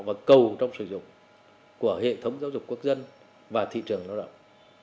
và cầu trong sử dụng của hệ thống giáo dục quốc dân và thị trường lao động